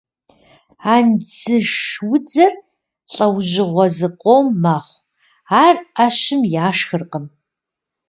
Андзыш удзыр лӏэужьыгъуэ зыкъом мэхъу, ар ӏэщым яшхыркъым.